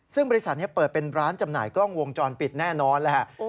ซึ่งบริษัทนี้เปิดเป็นร้านจำหน่ายกล้องวงจรปิดแน่นอนแล้วฮะ